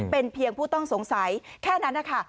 เป็นเพียงผู้ต้องสงสัยแค่นั้นนะคะ